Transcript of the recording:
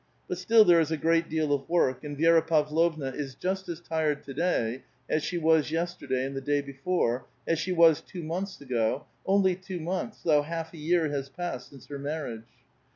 But still there is a great deal of work, and Vi6ra Pavlovna is just as tired to day as she was yesterday and the day before, as she was two months ago, only two months, though half a year has passed since her marriage.